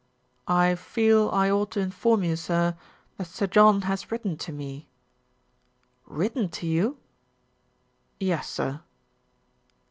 "I feel I ought to inform you, sir, that Sir John has written to me." "Written to you !" "Yes, sir."